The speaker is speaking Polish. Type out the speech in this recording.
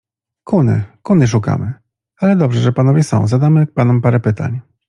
Kuny, kuny szukamy. Ale dobrze, że panowie są, zadawy panom parę pytań.